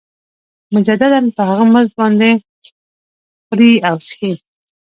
مجدداً په هغه مزد باندې خوري او څښي